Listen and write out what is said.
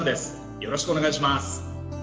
よろしくお願いします。